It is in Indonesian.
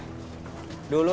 nanti gue beli belah